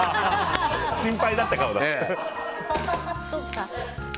心配だった顔だ。